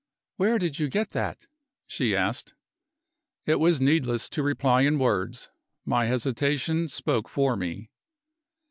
"Where did you get that?" she asked. It was needless to reply in words. My hesitation spoke for me.